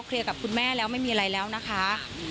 กับคุณแม่แล้วไม่มีอะไรแล้วนะคะ